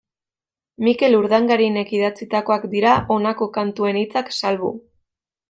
Mikel Urdangarinek idatzitakoak dira honako kantuen hitzak salbu.